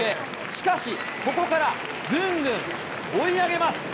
しかし、ここからぐんぐん追い上げます。